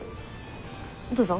どうぞ。